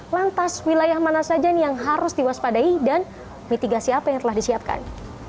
lantas wilayah mana saja nih yang harus diwaspadai dan mitigasi apa yang telah disiapkan